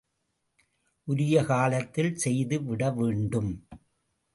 உரிய காலத்தில் செய்து விட வேண்டும்.